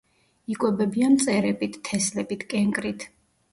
იკვებებიან მწერებით, თესლებით, კენკრით.